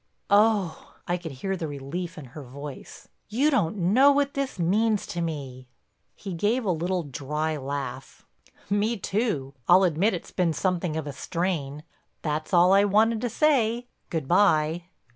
"Oh!" I could hear the relief in her voice. "You don't know what this means to me?" He gave a little, dry laugh: "Me too—I'll admit it's been something of a strain. That's all I wanted to say. Good by."